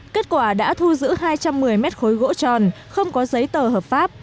kết quả đã thu giữ hai trăm một mươi mét khối gỗ tròn không có giấy tờ hợp pháp